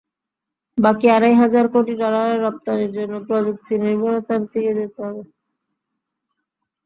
বাকি আড়াই হাজার কোটি ডলারের রপ্তানির জন্য প্রযুক্তিনির্ভরতার দিকে যেতে হবে।